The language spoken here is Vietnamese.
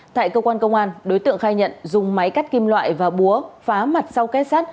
tại cơ quan công an đối tượng khai nhận dùng máy cắt kim loại và búa phá mặt sau kết sắt